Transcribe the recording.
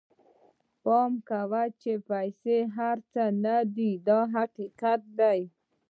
پام وکړئ چې پیسې هر څه نه دي دا حقیقت دی.